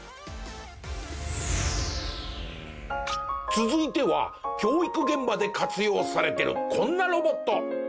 続いては教育現場で活用されてるこんなロボット！